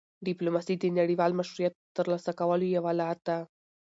ډيپلوماسي د نړیوال مشروعیت ترلاسه کولو یوه لار ده.